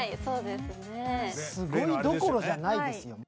すごいどころじゃないですよ。